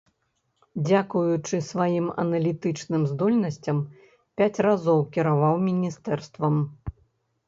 Дзякуючы сваім аналітычным здольнасцям пяць разоў кіраваў міністэрствам.